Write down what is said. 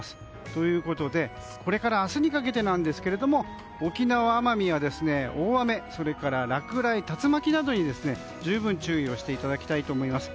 ということでこれから明日にかけて沖縄・奄美は大雨、それから落雷、竜巻などに十分注意していただきたいと思います。